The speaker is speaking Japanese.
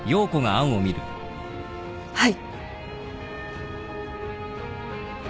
はい。